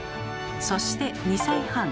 そして２歳半。